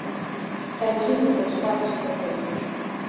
Qencî bike çi qas ji te tê